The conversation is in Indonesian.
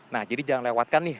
nah jadi jangan lewatkan nih